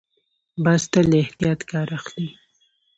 باز تل له احتیاط کار اخلي